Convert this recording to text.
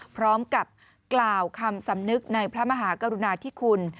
พร้อมกับกล่าวคำสำนึกในพระมหากรุณาธิคุณ